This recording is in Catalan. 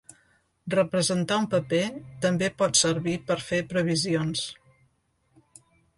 Representar un paper també pot servir per fer previsions.